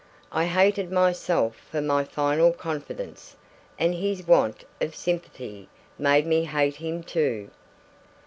I hated myself for my final confidence, and his want of sympathy made me hate him too.